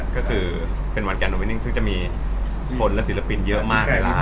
ก็คือเป็นวันการ์ดออปเตอร์นิ่งซึ่งจะมีคนและศิลปินเยอะมากในร้าน